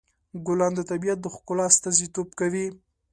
ګلان د طبیعت د ښکلا استازیتوب کوي.